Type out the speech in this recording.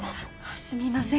すみません